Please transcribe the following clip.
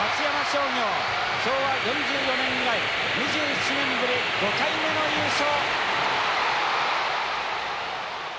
昭和４４年以来２７年ぶり５回目の優勝。